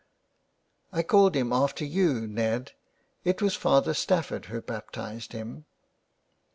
'^ I called him after you, Ned. It was Father Stafford who baptised him."